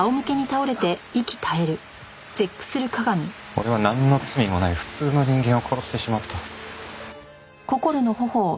俺はなんの罪もない普通の人間を殺してしまった。